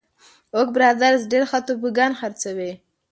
اوک برادرز ډېر ښه توبوګان خرڅوي.